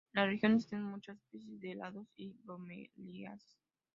En la región existen muchas especies de helechos y bromeliáceas.